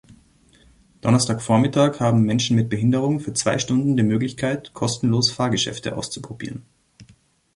Donnerstag Vormittag haben Menschen mit Behinderung für zwei Stunden die Möglichkeit, kostenlos Fahrgeschäfte auszuprobieren.